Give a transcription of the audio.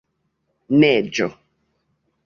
neĝo